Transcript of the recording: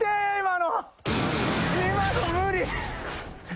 今の無理。